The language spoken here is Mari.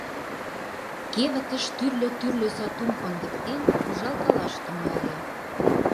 Кевытыш тӱрлӧ-тӱрлӧ сатум кондыктен, ужалкалаш тӱҥале.